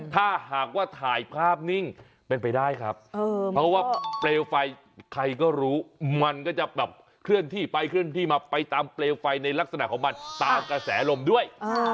ถ้าหากว่าถ่ายภาพนิ่งเป็นไปได้ครับเพราะว่าเปลวไฟใครก็รู้มันก็จะแบบเคลื่อนที่ไปเคลื่อนที่มาไปตามเปลวไฟในลักษณะของมันตามกระแสลมด้วย